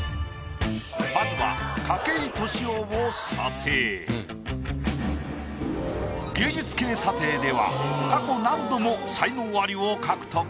まずは芸術系査定では過去何度も才能アリを獲得。